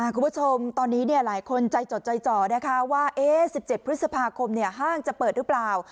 คุณผู้ชมตอนนี้หลายคนใจจดใจจ่อนะคะว่า๑๗พฤษภาคมห้างจะเปิดหรือเปล่า